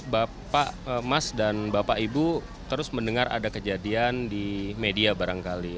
bapak mas dan bapak ibu terus mendengar ada kejadian di media barangkali